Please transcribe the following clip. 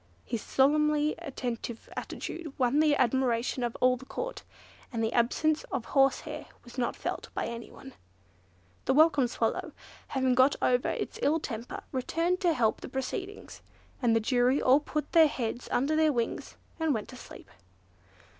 His solemnly attentive attitude won the admiration of all the court, and the absence of horsehair was not felt by anyone. The Welcome Swallow, having got over its ill temper, returned to help the proceedings; and the jury all put their heads under their wings, and went to sleep.